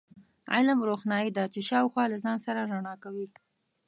علم، روښنایي ده چې شاوخوا له ځان سره رڼا کوي.